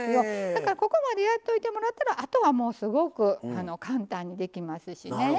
だからここまでやっといてもらったらあとはもうすごく簡単にできますしね。